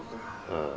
うん。